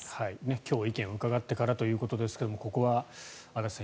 今日意見を伺ってからということですがここは足立さん